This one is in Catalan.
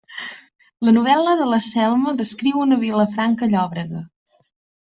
La novel·la de la Selma descriu una Vilafranca llòbrega.